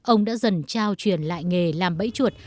ông đã dần trao truyền lại nghề làm bẫy chuột